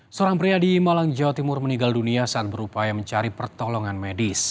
seorang pria di malang jawa timur meninggal dunia saat berupaya mencari pertolongan medis